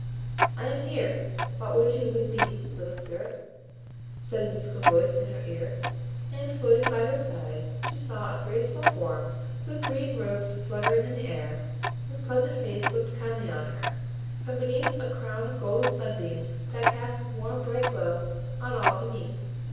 "I am here, what would you with me, little Spirit?" said a musical voice in her ear; and, floating by her side, she saw a graceful form, with green robes fluttering in the air, whose pleasant face looked kindly on her, from beneath a crown of golden sunbeams that cast a warm, bright glow on all beneath.